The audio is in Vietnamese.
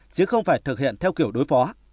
chứ không phải thực hiện theo kiểu đối phó